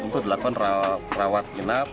untuk dilakukan rawat rawat